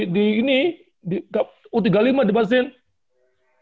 di u tiga puluh lima depan sini